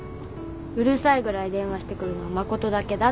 「うるさいぐらい電話してくるのは誠だけだ」